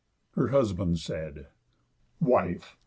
Her husband said: "Wife!